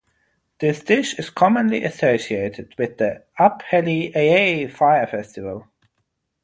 This dish is commonly associated with the Up Helly Aa fire festival.